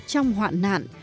trong hoạn nạn